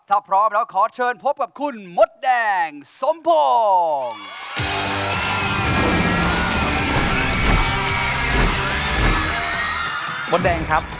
ถ้าพร้อมแล้วขอเชิญพบกับคุณมดแดงสมพงศ์